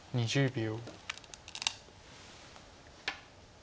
２０秒。